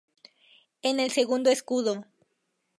En el segundo escudo.